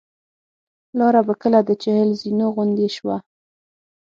لاره به کله د چهل زینو غوندې شوه.